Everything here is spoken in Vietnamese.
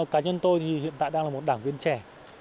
cá nhân tôi thì hiện tại đang là một đảng viên trẻ